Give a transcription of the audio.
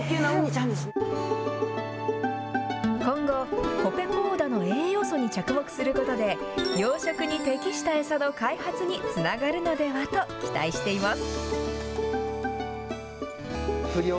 今後、コペポーダの栄養素に着目することで、養殖に適した餌の開発につながるのではと期待しています。